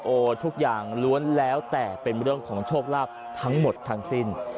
ทุกอย่างล้วนแล้วแต่เป็นเรื่องของโชคลาภทั้งหมดทั้งสิ้น